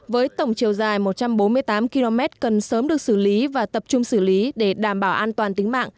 với tổng chiều dài một trăm bốn mươi tám km cần sớm được xử lý và tập trung xử lý để đảm bảo an toàn tính mạng